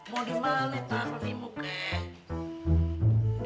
mau dimana taruh limu kek